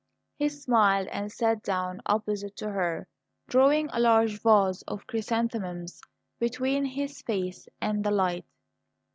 He smiled and sat down opposite to her, drawing a large vase of chrysanthemums between his face and the light.